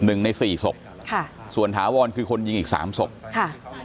หนึ่งในสี่ศพค่ะส่วนถาวรคือคนยิงอีกสามศพค่ะ